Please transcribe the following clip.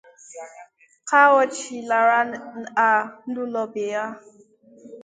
ka ọ chịlara ha n'ụlọ be ya.